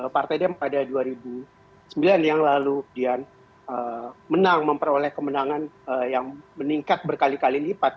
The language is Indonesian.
partai demokrat pada dua ribu sembilan yang lalu kemudian menang memperoleh kemenangan yang meningkat berkali kali lipat